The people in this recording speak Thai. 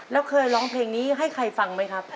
แล้วเคยร้องเพลงนี้ให้ใครฟังไหมครับ